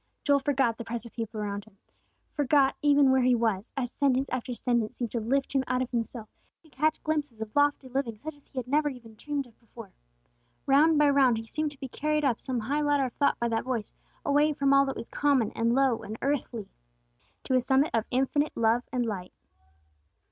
Joel forgot the press of people about him, forgot even where he was, as sentence after sentence seemed to lift him out of himself, till he could catch glimpses of lofty living such as he had never even dreamed of before. Round by round, he seemed to be carried up some high ladder of thought by that voice, away from all that was common and low and earthly, to a summit of infinite love and light.